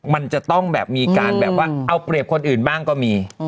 มันจะต้องแบบมีการแบบว่าเอาเปรียบคนอื่นบ้างก็มี